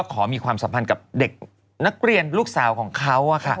ขอมีความสัมพันธ์กับเด็กนักเรียนลูกสาวของเขา